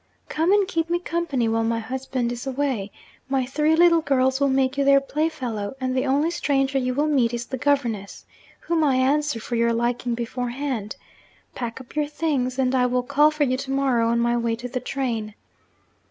'Come and keep me company while my husband is away. My three little girls will make you their playfellow, and the only stranger you will meet is the governess, whom I answer for your liking beforehand. Pack up your things, and I will call for you to morrow on my way to the train.'